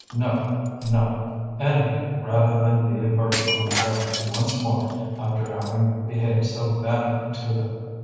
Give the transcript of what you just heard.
No, no! anything rather than be a burden on them once more after having behaved so badly to them!